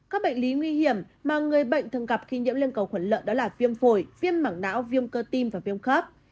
các bệnh lý nguy hiểm mà người bệnh thường gặp khi nhiễm liên cổ lợn đó là phiêm phổi phiêm mảng não phiêm cơ tim và phiêm khớp